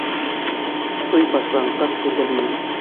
Туй башланғас килермен.